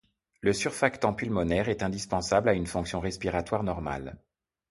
Le surfactant pulmonaire est indispensable à une fonction respiratoire normale.